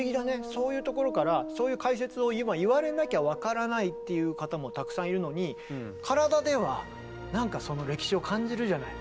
そういうところからそういう解説を今言われなきゃ分からないっていう方もたくさんいるのに体ではなんかその歴史を感じるじゃない。